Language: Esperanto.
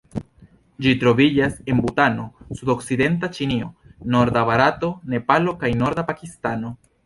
Ĝi troviĝas en Butano, sudokcidenta Ĉinio, norda Barato, Nepalo kaj norda Pakistano.